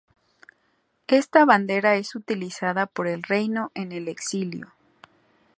Esta bandera es utilizada por el reino en el exilio.